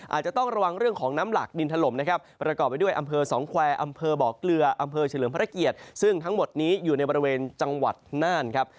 อาจจะต้องระวังเรื่องของน้ำหลักดินถล่มนะครับประกอบไปด้วยอำเภอสองแควร์อำเภอบ่อเกลืออำเภอเฉลิมพระเกียรติซึ่งทั้งหมดนี้อยู่ในบริเวณจังหวัดน่านครับ